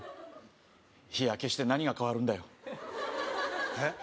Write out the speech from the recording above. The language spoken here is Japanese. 日焼けして何が変わるんだよえっ？